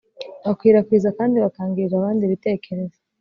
bakwirakwiza kandi bakangirira abandi ibitekerezo